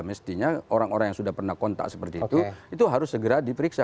mestinya orang orang yang sudah pernah kontak seperti itu itu harus segera diperiksa